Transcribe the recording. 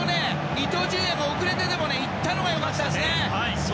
伊東純也が遅れてでも行ったのが良かったですね。